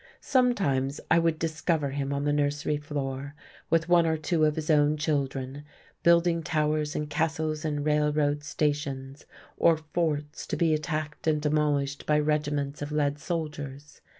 Sometimes I would discover him on the nursery floor, with one or two of his own children, building towers and castles and railroad stations, or forts to be attacked and demolished by regiments of lead soldiers.